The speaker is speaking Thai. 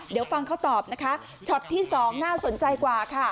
เดี๋ยวฟังเขาตอบช็อตที่๒น่าสนใจกว่า